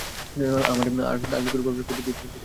তার নিকট প্রবেশ করে দেখি, তিনি নীরব।